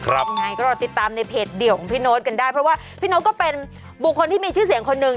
ยังไงก็รอติดตามในเพจเดี่ยวของพี่โน๊ตกันได้เพราะว่าพี่โน๊ตก็เป็นบุคคลที่มีชื่อเสียงคนหนึ่ง